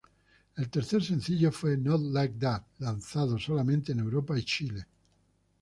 El tercer sencillo fue "Not Like That" lanzado solamente en Europa y Chile.